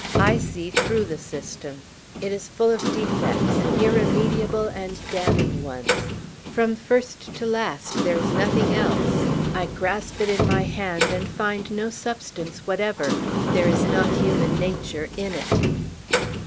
"I see through the system. It is full of defects, irremediable and damning ones! from first to last, there is nothing else! I grasp it in my hand, and find no substance whatever. There is not human nature in it."